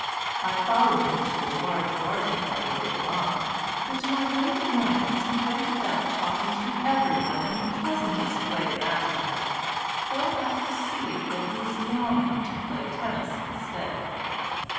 I followed him to a large garden party later on, but to my great annoyance he went about talking to every one in the pleasantest way imaginable, though I perceived that he was longing to play tennis instead.